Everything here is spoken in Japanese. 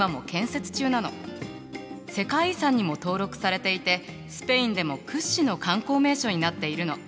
世界遺産にも登録されていてスペインでも屈指の観光名所になっているの。